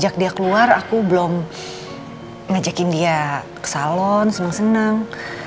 sejak dia keluar aku belum ngajakin dia ke salon senang senang